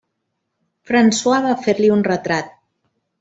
François va fer-li un retrat.